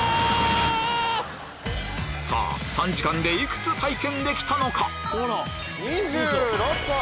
さぁ３時間でいくつ体験できたのか？